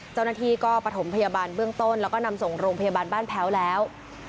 เจ้าหน้าที่ก็ประถมพยาบาลเบื้องต้นแล้วก็นำส่งโรงพยาบาลบ้านแพ้วแล้ว